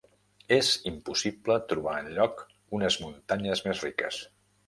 Es impossible trobar enlloc unes muntanyes més riques.